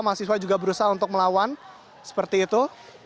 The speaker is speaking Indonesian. mahasiswa juga berusaha untuk melawan seperti itu